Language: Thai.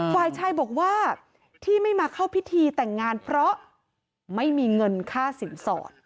ฝ่ายชายบอกว่าที่ไม่มาเข้าพิธีแต่งงานเพราะไม่มีเงินค่าสินสอด